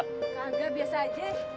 kagak biasa aja ya